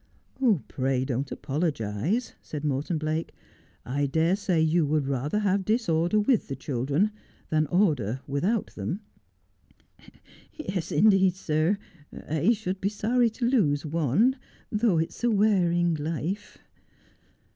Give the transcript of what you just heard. ' Pray don't apologize,' said Morton Blake. ' I d;ire say you would rather have disorder with the children, than order without them.' ' Yes, indeed, sir, I should be sorry to lose one, though it's a wearing life.'